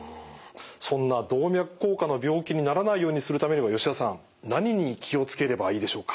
そんな動脈硬化の病気にならないようにするためには吉田さん何に気を付ければいいでしょうか？